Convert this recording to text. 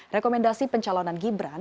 rekomendasi pencalonan gibran